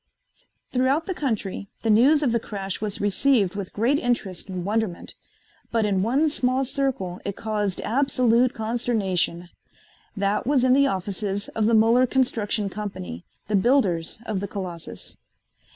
Throughout the country the news of the crash was received with great interest and wonderment, but in one small circle it caused absolute consternation. That was in the offices of the Muller Construction Company, the builders of the Colossus.